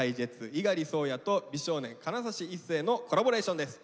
猪狩蒼弥と美少年金指一世のコラボレーションです。